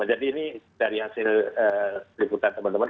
jadi ini dari hasil liputan teman teman